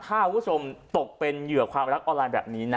ถ้าคุณผู้ชมตกเป็นเหยื่อความรักออนไลน์แบบนี้นะ